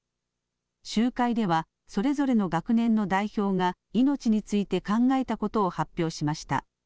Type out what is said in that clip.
集会ではそれぞれの学年の代表が命について考えたことを発表しました。